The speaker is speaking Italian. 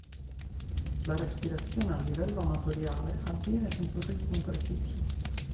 La respirazione, a livello amatoriale, avviene senza un ritmo preciso.